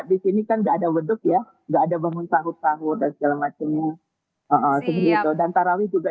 di sini kan enggak ada waduk ya nggak ada bangun sahur sahur dan segala macamnya seperti itu dan tarawih juga